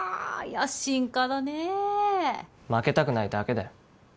野心家だねえ負けたくないだけだよ